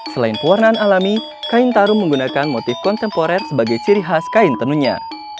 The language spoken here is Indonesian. selain pewarnaan alami kain tarum menggunakan motif kontemporer sebagai ciri khas kain tenunnya